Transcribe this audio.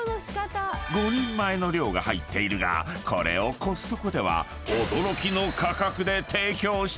［５人前の量が入っているがこれをコストコでは驚きの価格で提供していた！］